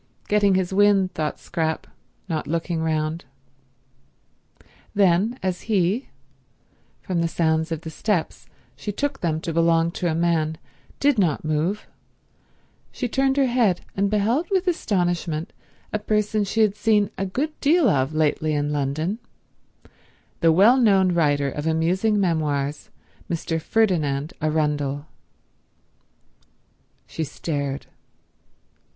"Getting his wind," thought Scrap, not looking round. Then as he—from the sounds of the steps she took them to belong to a man—did not move, she turned her head, and beheld with astonishment a person she had seen a good deal of lately in London, the well known writer of amusing memoirs, Mr. Ferdinand Arundel. She stared.